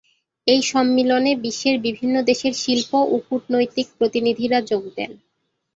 এই সম্মিলনে বিশ্বের বিভিন্ন দেশের শিল্প ও কূটনৈতিক প্রতিনিধিরা যোগ দেন।